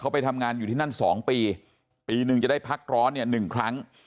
ไปทำงานอยู่ที่นั่น๒ปีปีหนึ่งจะได้พักร้อนเนี่ย๑ครั้ง